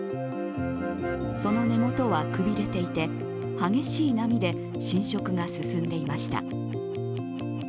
その根元はくびれていて激しい波で浸食が進んでいました。